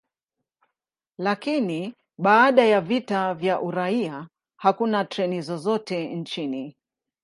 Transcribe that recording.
Lakini baada ya vita vya uraia, hakuna treni zozote nchini.